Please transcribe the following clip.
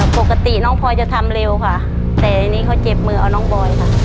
ปกติน้องพลอยจะทำเร็วค่ะแต่อันนี้เขาเจ็บมือเอาน้องบอยค่ะ